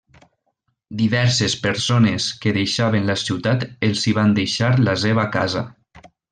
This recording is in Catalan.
Diverses persones que deixaven la ciutat els hi van deixar la seva casa.